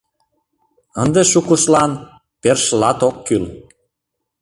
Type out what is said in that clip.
Ынде шукыштлан першылат ок кӱл.